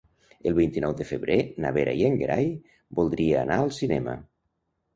El vint-i-nou de febrer na Vera i en Gerai voldria anar al cinema.